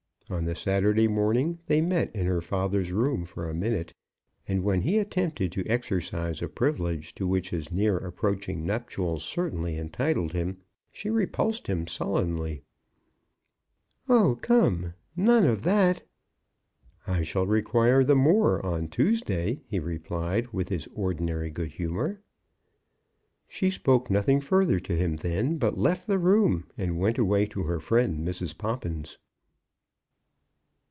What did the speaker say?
On the Saturday morning they met in her father's room for a minute, and when he attempted to exercise a privilege to which his near approaching nuptials certainly entitled him, she repulsed him sullenly: "Oh, come; none of that." "I shall require the more on Tuesday," he replied, with his ordinary good humour. She spoke nothing further to him then, but left the room and went away to her friend Mrs. Poppins.